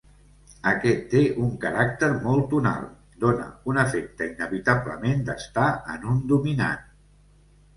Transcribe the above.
Aquest té un caràcter molt tonal: dóna un efecte inevitablement d'estar en un dominant.